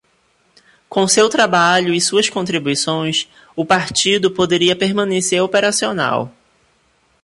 Com seu trabalho e suas contribuições, o partido poderia permanecer operacional.